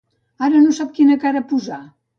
Ara no sap quina cara posar.